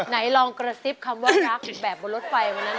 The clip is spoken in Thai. ไหนลองกระซิบคำว่ารักแบบบนรถไฟวันนั้น